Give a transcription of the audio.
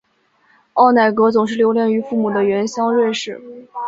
奥乃格总是留恋于父母的原乡瑞士。